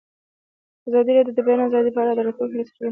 ازادي راډیو د د بیان آزادي په اړه د راتلونکي هیلې څرګندې کړې.